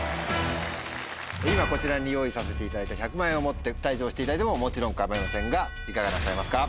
今こちらに用意させていただいた１００万円を持って退場していただいてももちろん構いませんがいかがなさいますか？